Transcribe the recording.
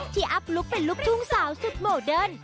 อัพลุคเป็นลูกทุ่งสาวสุดโมเดิร์น